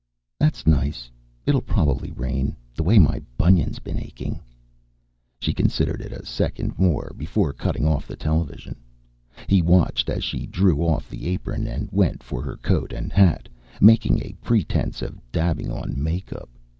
"That's nice. It'll probably rain, the way my bunion's been aching." She considered it a second more, before cutting off the television. He watched as she drew off the apron and went for her coat and hat, making a pretense of dabbing on make up.